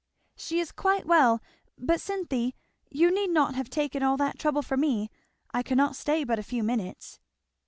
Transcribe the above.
"She is quite well; but Cynthy, you need not have taken all that trouble for me. I cannot stay but a few minutes."